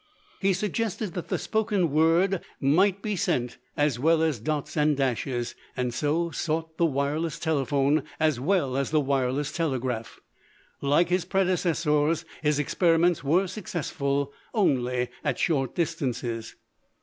He suggested that the spoken word might be sent as well as dots and dashes, and so sought the wireless telephone as well as the wireless telegraph. Like his predecessors, his experiments were successful only at short distances.